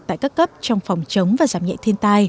tại các cấp trong phòng chống và giảm nhẹ thiên tai